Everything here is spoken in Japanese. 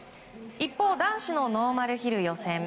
一方、男子のノーマルヒル予選